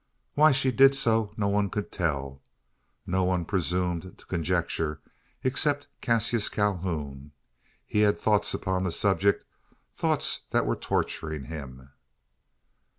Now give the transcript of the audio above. Why she did so no one could tell. No one presumed to conjecture, except Cassius Calhoun. He had thoughts upon the subject thoughts that were torturing him.